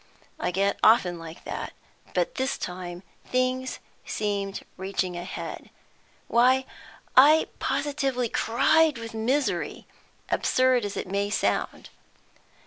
I get often like that, but this time things seemed reaching a head. Why, I positively cried with misery, absurd as it may sound.